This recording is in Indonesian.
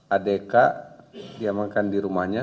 adk diamankan di rumahnya